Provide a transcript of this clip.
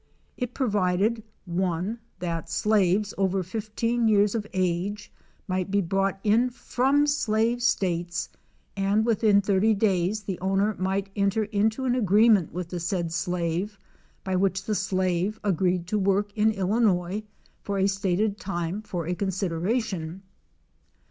It provided (1) that slaves over 15 years of age might be brought in from slave states and within 80 days the owner might enter into an agreement with the said slave by which the slave agreed to work in Illinois for a stated time for a consideration.